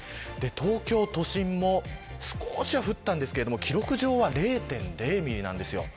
東京都心も少し降ったんですが記録上は０．０ミリなんです。